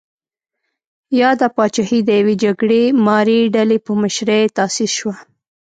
یاده پاچاهي د یوې جګړه مارې ډلې په مشرۍ تاسیس شوه.